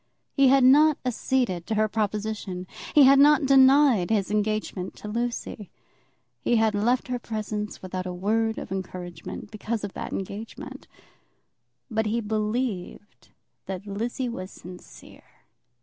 He had not acceded to her proposition. He had not denied his engagement to Lucy. He had left her presence without a word of encouragement, because of that engagement. But he believed that Lizzie was sincere.